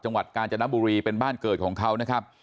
จังหวัดกาญจนบุรีเป็นบ้านเกิดของเขานะครับ